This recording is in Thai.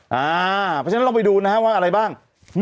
เพราะฉะนั้นลองไปดูนะครับว่าอะไรบ้าง